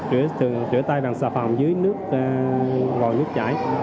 rửa tay bằng xà phòng dưới nước gòi nước chải